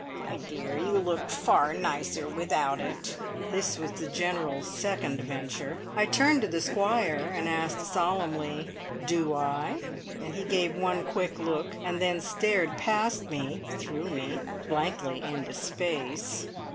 "My dear, you look far nicer without it." This was the General's second venture. I turned to the Squire and asked solemnly, "Do I?" and he gave one quick look, and then stared past me through me blankly into space.